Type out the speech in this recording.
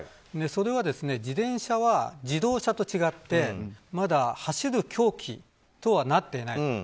それは自転車は自動車と違ってまだ走る凶器とはなってない。